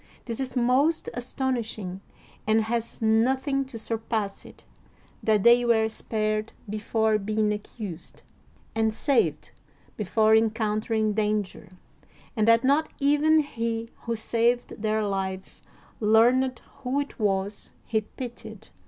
This is most astonishing and has nothing to surpass it, that they were spared before being accused, and saved before encount 213 THE WORLD'S FAMOUS ORATIONS ering danger, and that not even he who saved their lives learned who it was he pitied.